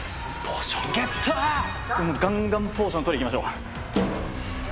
もうガンガンポーション取りに行きましょう。